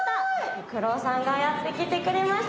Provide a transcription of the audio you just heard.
フクロウさんがやって来てくれました